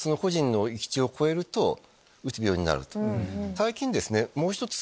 最近もう１つ。